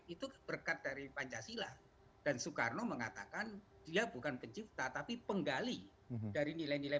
itu berkat dari pancasila dan soekarno mengatakan dia bukan pencipta tapi penggali dari nilai nilai